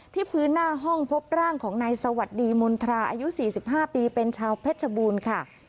พื้นหน้าห้องพบร่างของนายสวัสดีมณฑราอายุ๔๕ปีเป็นชาวเพชรบูรณ์ค่ะ